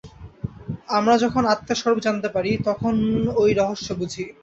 আমরা যখন আত্মার স্বরূপ জানতে পারি, তখনই ঐ রহস্য বুঝি।